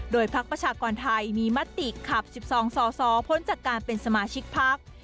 โดยพักประชากรไทยมีมติขับ๑๒สสพ้นจากการเป็นสมาชิกพัก